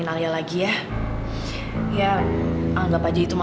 ada pengalaman yg tak bisa blogs di rumah